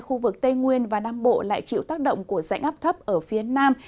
khu vực tây nguyên và nam bộ lại chịu tác động của dãy ngắp thấp ở phía nam